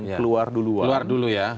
yang keluar dulu ya